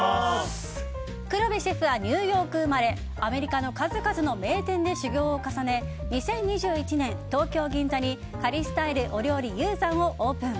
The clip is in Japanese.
黒部シェフはニューヨーク生まれアメリカの数々の名店で修業を重ね２０２１年、東京・銀座にＣＡＬＩＳＴＹＬＥＯＲＹＯＵＲＩＹＵＺＡＮをオープン。